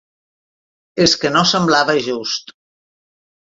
És que no semblava just.